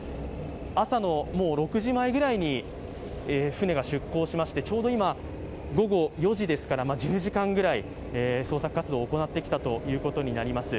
朝の６時前ぐらいに船が出航しましてちょうど今、午後４時ですから１０時間ぐらい、捜索活動を行ってきたということになります。